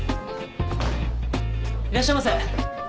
いらっしゃいませ。